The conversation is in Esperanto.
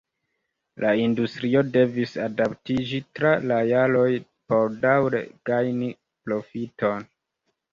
La industrio devis adaptiĝi tra la jaroj por daŭre gajni profiton.